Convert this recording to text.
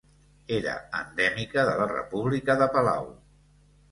Era endèmica de la República de Palau.